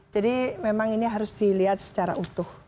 jadi memang ini harus dilihat secara utuh